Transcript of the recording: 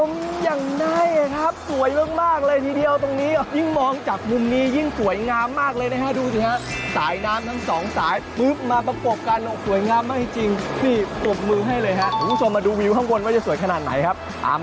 แล้วตรงนี้ขึ้นง่ายหน่อยครับคุณผู้ชมครับ